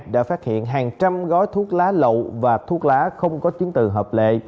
đã phát hiện hàng trăm gói thuốc lá lậu và thuốc lá không có chứng từ hợp lệ